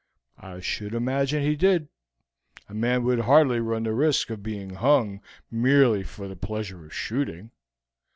"I should imagine he did; a man would hardly run the risk of being hung merely for the pleasure of shooting.